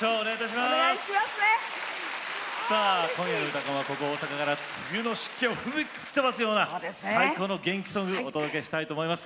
今夜の「うたコン」はここ大阪から梅雨の湿気を吹き飛ばすような元気ソング、上沼さんとともにお届けしたいと思います。